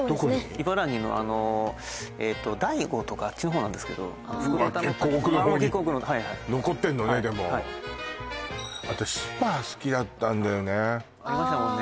茨城のあの大子とかあっちのほうなんですけど結構奥のほうに残ってんのねでも結構奥のほうにはい私スパー好きだったんだよねありましたもんね